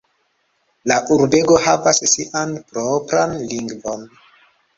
La urbego havas sian propran lingvon.